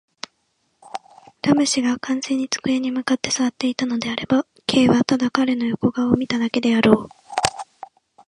ラム氏が完全に机に向って坐っていたのであれば、Ｋ はただ彼の横顔を見ただけであろう。